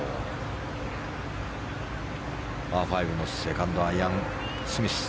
パー５のセカンドアイアン、スミス。